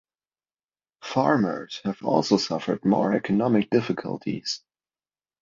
Farmers have also suffered more economic difficulties.